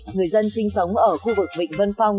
người dân sinh sống ở khu vực vịnh vân phong